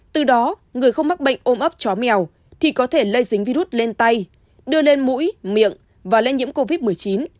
từ đó người không mắc bệnh ôm ấp chó mèo thì có thể lây dính virus lên tay đưa lên mũi miệng và lây nhiễm covid một mươi chín